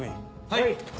はい。